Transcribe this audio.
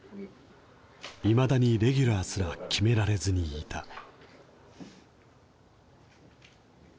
いまだにレギュラーすら決められずにいた。